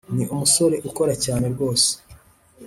ni umusore ukora cyane rwose